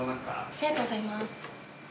ありがとうございます。